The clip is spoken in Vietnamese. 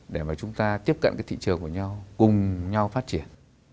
để mà chúng ta tiếp cận cái thị trường của nhau cùng nhau phát triển